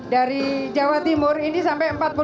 dari jawa timur ini sampai